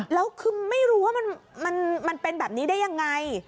แล้วคือไม่รู้ว่ามันเป็นแบบนี้ได้ยังไง